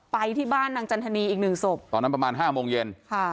ไปที่บ้านนางจันทนีอีกหนึ่งศพตอนนั้นประมาณห้าโมงเย็นค่ะ